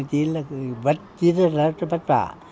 chỉ là vất vả chỉ là vất vả